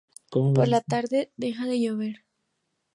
Por la tarde deja de llover.